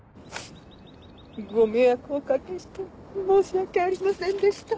ご迷惑お掛けして申し訳ありませんでした。